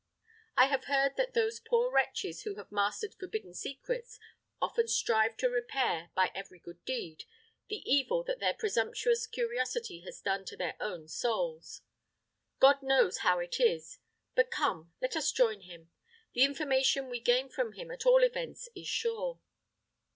I have heard that those poor wretches who have mastered forbidden secrets often strive to repair, by every good deed, the evil that their presumptuous curiosity has done to their own souls: God knows how it is. But come, let us join him. The information we gain from him, at all events, is sure."